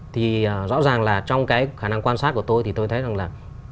thì rõ ràng là trong cái khả năng quan sát của tôi thì tôi thấy rằng là